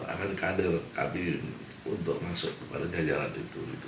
akan kader kami untuk masuk kepada jajaran itu